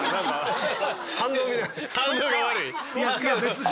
いや別に